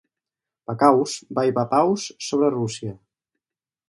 Vakaus vai vapaus sobre Rússia.